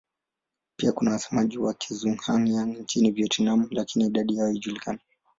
Pia kuna wasemaji wa Kizhuang-Yang nchini Vietnam lakini idadi yao haijulikani.